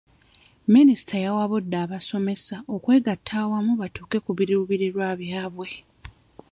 Minisita yawabudde abasomesa okwegatta awamu batuuke ku biruubirirwa byabwe.